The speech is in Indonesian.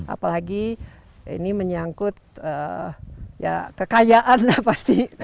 apalagi ini menyangkut ya kekayaan lah pasti